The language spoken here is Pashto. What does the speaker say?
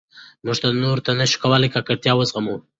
موږ نور نه شو کولای ککړتیا وزغمو.